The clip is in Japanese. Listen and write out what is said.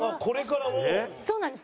これからもう。